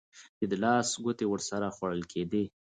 چې د لاس ګوتې ورسره خوړل کېدې.